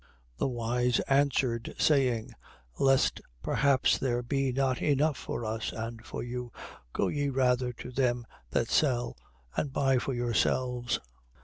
25:9. The wise answered, saying: Lest perhaps there be not enough for us and for you, go ye rather to them that sell and buy for yourselves.